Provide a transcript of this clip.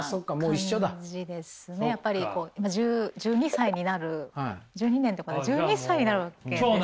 １２歳になる１２年とかで１２歳になるわけです。